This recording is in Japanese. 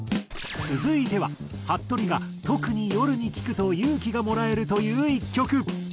続いてははっとりが特に夜に聴くと勇気がもらえるという１曲。